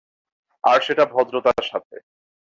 আর সেটা ভদ্রতার সাথে।